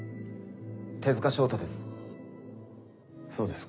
手塚翔太です。